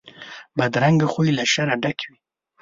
بدرنګه خوی له شره ډک وي